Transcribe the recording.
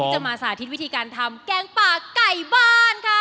จะมาสาธิตวิธีการทำแกงปลาไก่บ้านค่ะ